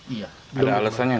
itu enggak salah